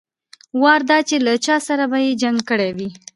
وار دا چې له چا سره به يې جنګ کړى وي.